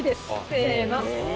せの。